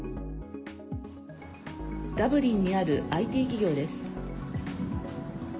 ダブリンにあるＩＴ企業です。